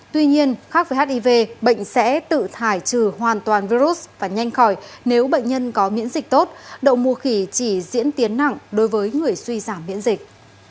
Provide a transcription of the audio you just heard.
tuy nhiên khác với hiv bệnh sẽ tự thải trừ hoàn toàn virus và nhanh khỏi nếu bệnh nhân có miễn dịch tốt đậu mùa khỉ chỉ diễn tiến nặng đối với người suy giảm miễn dịch